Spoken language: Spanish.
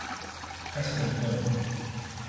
Casa del Pueblo.